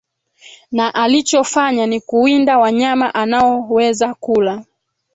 na alichofanya ni kuwinda wanyama anaoweza kula